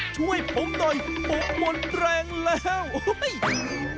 ช่วยผมหน่อยผมมนต์แรงแล้ว